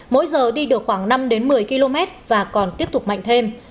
mỗi giờ đi được khoảng năm một mươi km và còn tiếp tục mạnh thêm